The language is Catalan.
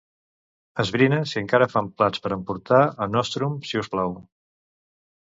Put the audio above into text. Esbrinar si encara fan plats per emportar al Nostrum, si us plau.